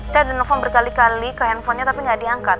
saya dinepon berkali kali ke handphonenya tapi gak diangkat